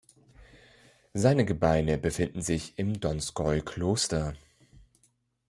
Seine Gebeine befinden sich im Donskoi-Kloster.